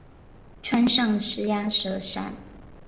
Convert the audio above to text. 川上氏鸭舌疝为鸭跖草科假紫万年青属下的一个种。